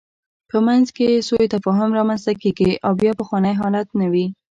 په منځ کې یې سوء تفاهم رامنځته کېږي او بیا پخوانی حالت نه وي.